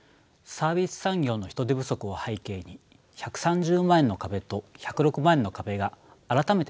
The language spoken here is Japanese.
サービス産業の人手不足を背景に１３０万円の壁と１０６万円の壁が改めて論点になっています。